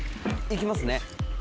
行きますね。